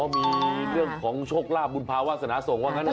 อ๋อมีเรื่องของโชคลาบบุญภาวาสนาสงค์ว่างั้นเนี่ย